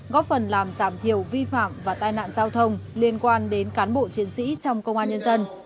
góp phần làm giảm thiểu vi phạm và tai nạn giao thông liên quan đến cán bộ chiến sĩ trong công an nhân dân